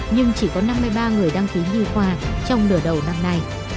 nhưng chỉ có năm mươi ba người đăng ký nhi khoa trong nửa đầu năm nay